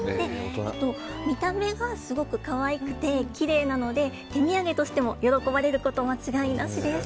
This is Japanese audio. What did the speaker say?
見た目がすごく可愛くてきれいなので手土産としても喜ばれること間違いなしです。